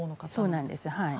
そうなんです。